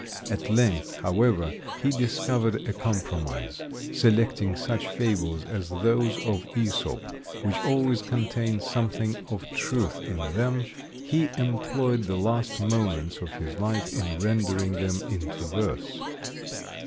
At length, however, he discovered a compromise; selecting such fables as those of Æsop, which always contain something of truth in them, he employed the last moments of his life in rendering them into verse.